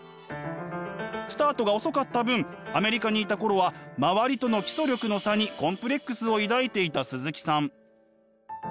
スタートが遅かった分アメリカにいた頃は周りとの基礎力の差にコンプレックスを抱いていた鈴木さん。